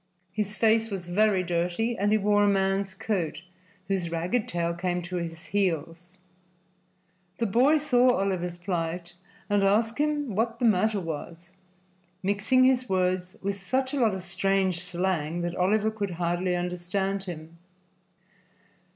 His face was very dirty and he wore a man's coat, whose ragged tails came to his heels. The boy saw Oliver's plight and asked him what the matter was, mixing his words with such a lot of strange slang that Oliver could hardly understand him.